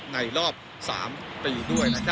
ในรอบ๓ปีด้วย